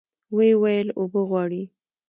ويې ويل اوبه غواړي.